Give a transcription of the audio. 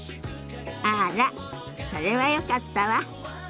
あらそれはよかったわ。